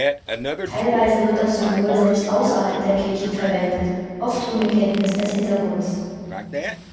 Teilweise wird das Symbol selbst außerhalb der Kirchen verwendet, oft ohne Kenntnis des Hintergrunds.